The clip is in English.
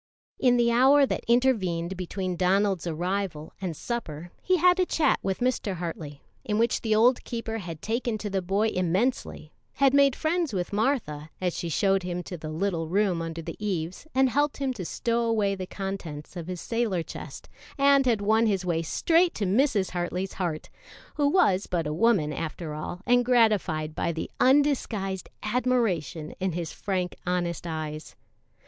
[Illustration: 0122] In the hour that intervened between Donald's arrival and supper he had had a chat with Mr. Hartley, in which the old keeper had taken to the boy immensely; had made friends with Martha, as she showed him to the little room under the eaves and helped him to stow away the contents of his sailor chest, and had won his way straight to Mrs. Hartley's heart, who was but a woman, after all, and gratified by the undisguised admiration in his frank, honest eyes.